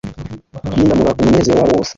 Ririndamura umunezero wabo wose